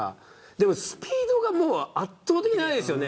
でもスピードが圧倒的に早いですね。